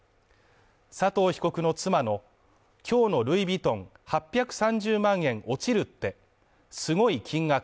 佐藤被告の妻の今日のルイ・ヴィトン８３０万円落ちるってすごい金額